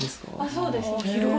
そうです。